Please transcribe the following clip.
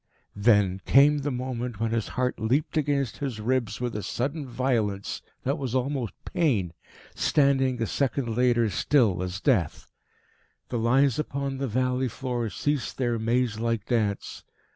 Then came the moment when his heart leaped against his ribs with a sudden violence that was almost pain, standing a second later still as death. The lines upon the valley floor ceased their maze like dance.